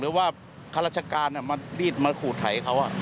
หรือว่าฆาตรราชการมันรีดมาขูดไถเขา